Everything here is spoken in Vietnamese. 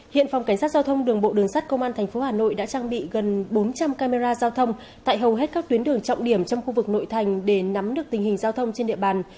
hiện phòng cảnh sát giao thông đường bộ đường sát công an tp hà nội đã trang bị gần bốn trăm linh camera giao thông tại hầu hết các tuyến đường trọng điểm trong khu vực nội thành để nắm được tình hình giao thông trên địa bàn